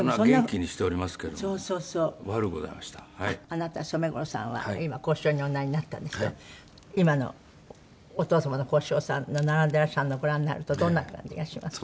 あなた染五郎さんは今は幸四郎におなりになったんですけど今のお父様の幸四郎さんと並んでらっしゃるのご覧になるとどんな感じがします？